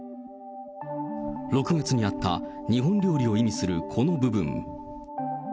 ６月にあった日本料理を意味するこの部分。